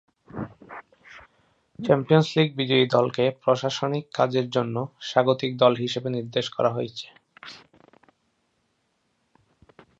Champions League বিজয়ী দলকে প্রশাসনিক কাজের জন্য "স্বাগতিক" দল হিসেবে নির্দেশ করা হয়েছে।